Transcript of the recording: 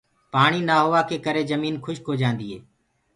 پآڻي نآ هوآ ڪي ڪري جميٚن کُشڪ هوجآندي هي۔